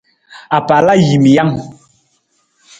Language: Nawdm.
Apalajiimijang.